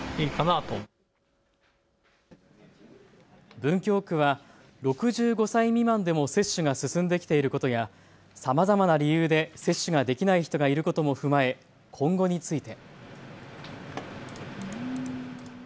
文京区は６５歳未満でも接種が進んできていることやさまざまな理由で接種ができない人がいることも踏まえ今後について。